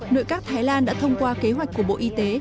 nội các thái lan đã thông qua kế hoạch của bộ y tế